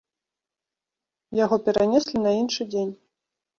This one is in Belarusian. Яго перанеслі на іншы дзень.